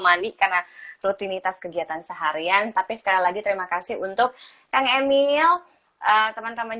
mandi karena rutinitas kegiatan seharian tapi sekali lagi terima kasih untuk kang emil teman teman